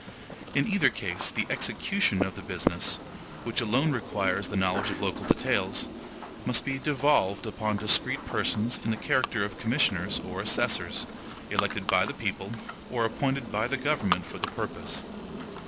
In either case, the EXECUTION of the business, which alone requires the knowledge of local details, must be devolved upon discreet persons in the character of commissioners or assessors, elected by the people or appointed by the government for the purpose.